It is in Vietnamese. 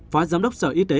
phó giám đốc sở y tế